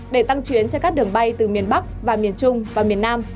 để tăng chuyến cho các đường bay từ miền bắc và miền trung và miền nam